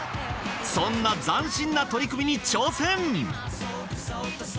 そんな斬新な取り組みに挑戦！